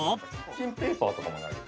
キッチンペーパーとかもない。